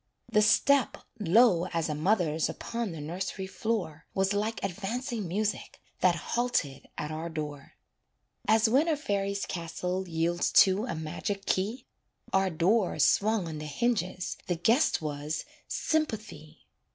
The step, low as a mother's Upon the nursery floor, Was like advancing music That halted at our door. As when a fairy's castle Yields to a magic key, Our door swung on the hinges The guest was Sympathy.